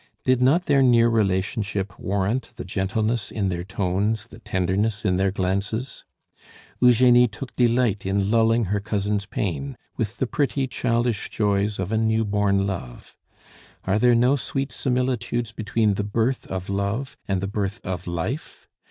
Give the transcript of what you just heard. Did not their near relationship warrant the gentleness in their tones, the tenderness in their glances? Eugenie took delight in lulling her cousin's pain with the pretty childish joys of a new born love. Are there no sweet similitudes between the birth of love and the birth of life?